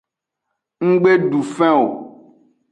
Nggbe du fen o.